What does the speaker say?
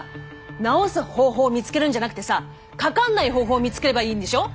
治す方法を見つけるんじゃなくてさ「かかんない」方法を見つければいいんでしょ。